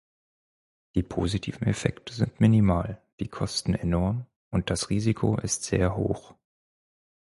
Die positiven Effekte sind minimal, die Kosten enorm, und das Risiko ist sehr hoch.